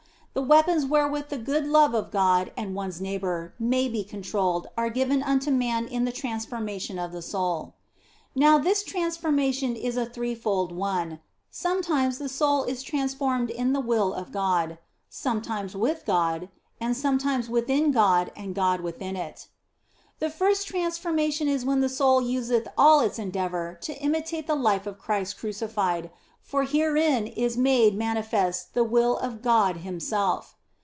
The weapons wherewith the good love of God and one s neighbour may be controlled are given unto man in the transformation of the soul. Now this transformation is a threefold one : some times the soul is transformed in the will of God, some times with God, and sometimes within God and God within it. i2 4 THE BLESSED ANGELA The first transformation is when the soul useth all its endeavour to imitate the life of Christ crucified, for herein is made manifest the will of God Himself.